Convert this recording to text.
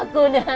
aku dan alia